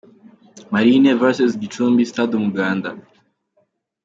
Marines vs Gicumbi – Stade Umuganda.